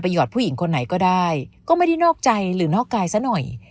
หอดผู้หญิงคนไหนก็ได้ก็ไม่ได้นอกใจหรือนอกกายซะหน่อย